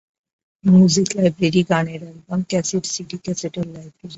Music library, গানের album, cassette, CD ক্যাসেটের library.